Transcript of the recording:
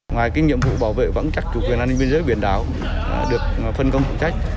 ngoài nhiệm vụ bảo vệ vững chắc chủ quyền an ninh biên giới biển đảo được phân công phụ trách